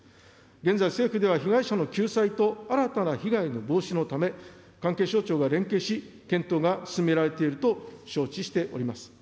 現在、政府では被害者の救済と新たな被害の防止のため、関係省庁が連携し、検討が進められていると承知しております。